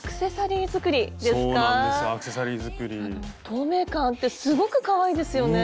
透明感あってすごくかわいいですよね。